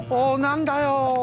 なんだよ。